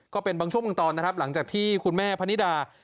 ก็เป็นบางช่วงบางตอนนะครับหลังจากที่คุณแม่พนิดา